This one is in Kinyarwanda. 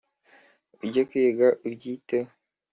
ujye kwiga ubyiteho